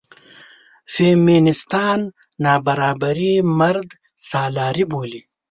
فیمینېستان نابرابري مردسالاري بولي.